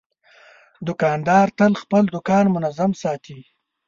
دوکاندار تل خپل دوکان منظم ساتي.